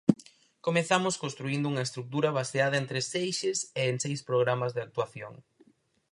Comezamos construíndo unha estrutura baseada en tres eixes e en seis programas de actuación.